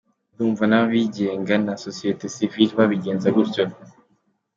Ndumva n’abigenga na Sosiyete sivile babigenza gutyo.